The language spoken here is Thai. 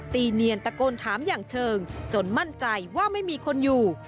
เนียนตะโกนถามอย่างเชิงจนมั่นใจว่าไม่มีคนอยู่